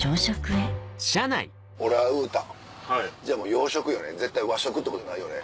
洋食よね絶対和食ってことないよね。